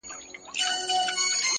د تل په څېر ئې خپله دوستي ثابته کړه.